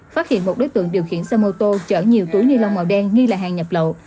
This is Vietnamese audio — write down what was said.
phát hiện một đối tượng điều khiển xe mô tô chở nhiều túi ni lông màu đen nghi là hàng nhập lậu